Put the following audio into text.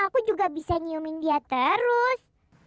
ku juga bisa nyium india terus